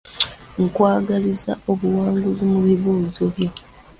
Nkwagaliza buwanguzi mu bibuuzo byo.